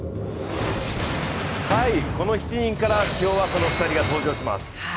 この７人から今日は、この２人が登場します。